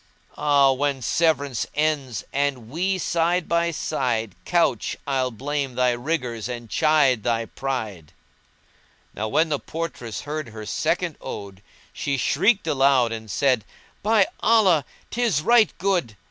Ah, when severance ends and we side by side * Couch, I'll blame thy rigours and chide thy pride!" Now when the portress heard her second ode she shrieked aloud and said, "By Allah! 'tis right good!"